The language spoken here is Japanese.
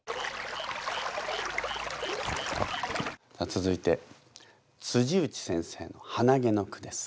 続いて内先生の「はなげ」の句です。